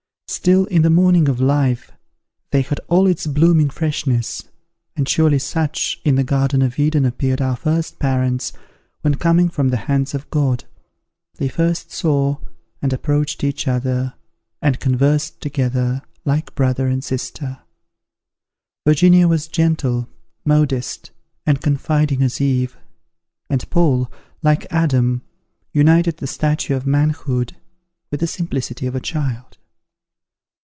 Still in the morning of life, they had all its blooming freshness: and surely such in the garden of Eden appeared our first parents, when coming from the hands of God, they first saw, and approached each other, and conversed together, like brother and sister. Virginia was gentle, modest, and confiding as Eve; and Paul, like Adam, united the stature of manhood with the simplicity of a child.